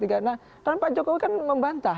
karena pak jokowi kan membantah